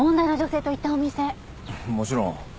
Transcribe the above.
もちろん。